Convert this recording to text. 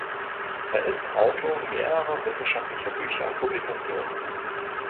Er ist Autor mehrerer wissenschaftlicher Bücher und Publikationen.